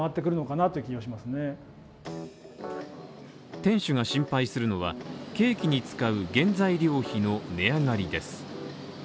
店主が心配するのはケーキに使う原材料費の値上がりです。